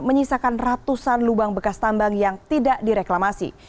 menyisakan ratusan lubang bekas tambang yang tidak direklamasi